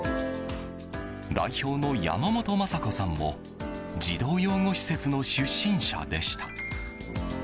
代表の山本昌子さんも児童養護施設の出身者でした。